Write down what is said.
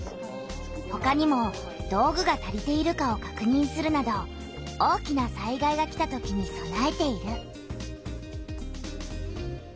ほかにも道具が足りているかをかくにんするなど大きな災害が来たときにそなえている。